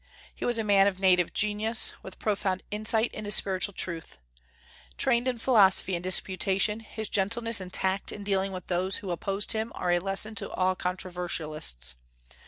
He was a man of native genius, with profound insight into spiritual truth. Trained in philosophy and disputation, his gentleness and tact in dealing with those who opposed him are a lesson to all controversialists.